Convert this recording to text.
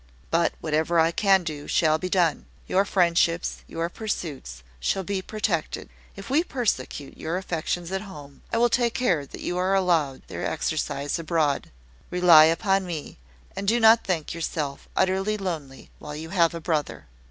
But whatever I can do shall be done. Your friendships, your pursuits, shall be protected. If we persecute your affections at home, I will take care that you are allowed their exercise abroad. Rely upon me, and do not think yourself utterly lonely while you have a brother."